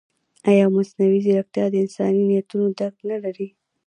ایا مصنوعي ځیرکتیا د انساني نیتونو درک نه لري؟